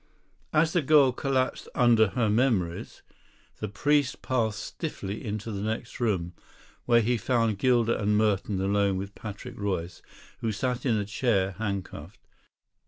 As the girl collapsed under her memories, the priest passed stiffly into the next room, where he found Gilder and Merton alone with Patrick Royce, who sat in a chair, handcuffed.